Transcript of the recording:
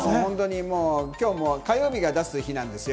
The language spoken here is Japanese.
今日火曜日が出す日なんですよ。